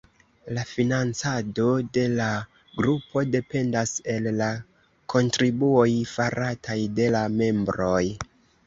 La financado de la grupo dependas el la kontribuoj farataj de la membroj.